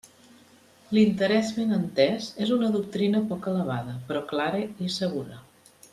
L'interès ben entès és una doctrina poc elevada, però clara i segura.